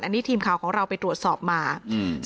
อันนี้ทีมข่าวของเราไปตรวจสอบมาอืม